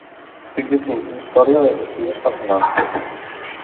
Estic llegint una història de detectives fascinant.